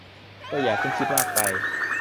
ก็อย่าเพิ่งคิดมากไป